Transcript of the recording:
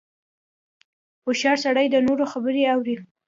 • هوښیار سړی د نورو خبرې اوري.